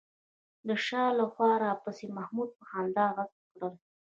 د شا له خوا راپسې محمد په خندا غږ کړل.